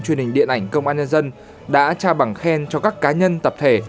truyền hình điện ảnh công an nhân dân đã tra bằng khen cho các cá nhân tập thể